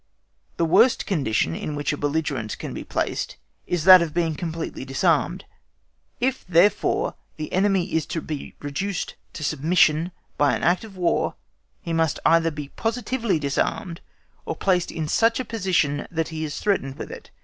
The worst condition in which a belligerent can be placed is that of being completely disarmed. If, therefore, the enemy is to be reduced to submission by an act of War, he must either be positively disarmed or placed in such a position that he is threatened with it.